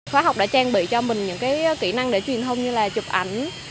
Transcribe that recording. khóa học đã trang bị cho mình những kỹ năng để truyền thông như là chụp ảnh